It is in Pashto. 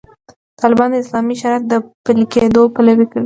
طالبان د اسلامي شریعت د پلي کېدو پلوي دي.